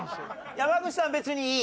山口さん別にいい？